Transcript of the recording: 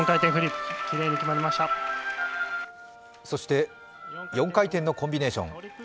そして４回転のコンビネーション。